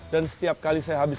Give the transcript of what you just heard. dan setiap kali saya habiskan